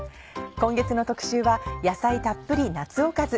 今月の特集は「野菜たっぷり夏おかず」。